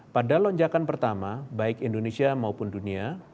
pada lonjakan pertama baik indonesia maupun dunia